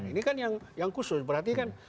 ini kan yang khusus berarti kan